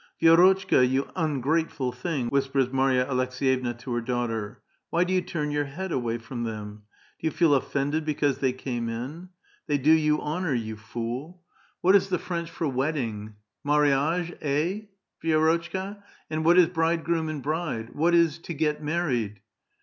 " Vi^rotchka, you ungrateful thing !" whispers Marya Aleks^yevna to her daughter; "why do you turn your head awa}' from them ? Do you feel offended because they came in? They do you honor, you fool [^dura^ ! What is the A VITAL QUESTION. IT French for wedding? mariage^ he\', Vi^rotcLka? And what is bridegroom and bride ? What is ' to get married